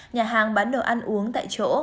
nhà hàng bán đồ ăn uống tại chỗ